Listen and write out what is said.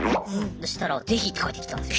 そしたら「ぜひ！」って返ってきたんですよ。